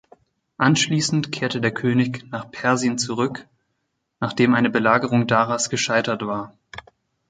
Anschließend kehrte der König nach Persien zurück, nachdem eine Belagerung Daras gescheitert war.